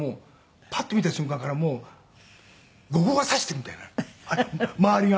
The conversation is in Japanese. パッと見た瞬間からもう後光が差しているみたいな周りが。